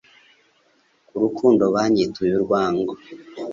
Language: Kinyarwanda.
ku rukundo banyituye urwango'-.